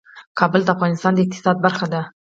کابل د افغانستان د اقتصاد برخه ده.